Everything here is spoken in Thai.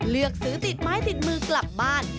เลือกซื้อติดไม้ติดมือกลับบ้าน